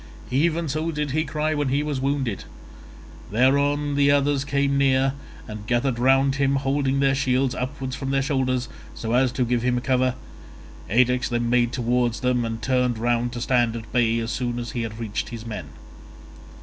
Even so did he cry when he was wounded; thereon the others came near, and gathered round him, holding their shields upwards from their shoulders so as to give him cover. Ajax then made towards them, and turned round to stand at bay as soon as he had reached his men.